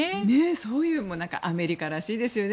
そういうのもアメリカらしいですよね。